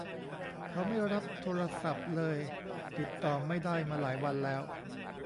เขาไม่รับโทรศัพท์เลย ติดต่อไม่ได้มาหลายวันแล้ว